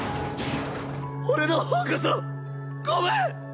俺の方こそごめん！